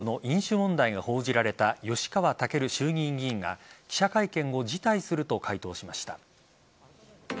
１８歳女子大学生との飲酒問題が報じられた吉川赳衆議院議員が記者会見を辞退すると回答しました。